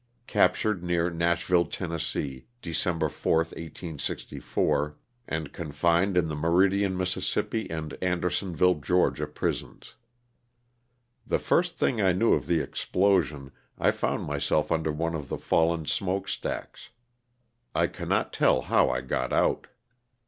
Captured near Nashville, Tenn., December 4, 1864, and confined in the Meridian, Miss., and Andersonville, Ga., prisons. The first thing I knew of the explosion I found my self under one of the fallen smoke stacks. I cannot tell how I got out.